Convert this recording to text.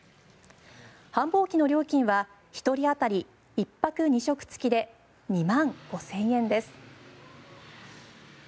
繁忙期の料金は１人当たり１泊２食付きで２万５０００円です。